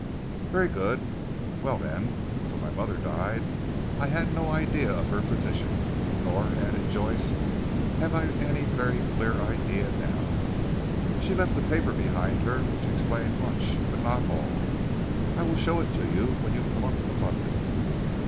"Very good. Well then until my mother died I had no idea of her position nor," added Joyce, "have I any very clear idea now. She left a paper behind her which explained much, but not all. I will show it to you when you come up to London."